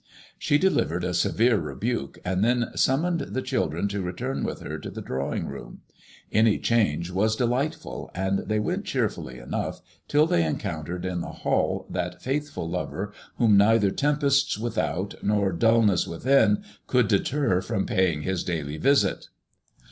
She de livered a severe rebuke, and then summoned the children to return with her to the drawing room. Any change was delight ful, and they went cheerfully enough, till they encountered in the hall that faithful lover whom neither tempests without nor I MABEMOISELLB IXB. 99 dulness within could deter from pasdng his daily visit.